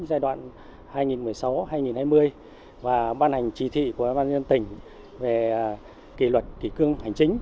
giai đoạn hai nghìn một mươi sáu hai nghìn hai mươi và ban hành trí thị của ban dân tỉnh về kỷ luật kỷ cương hành chính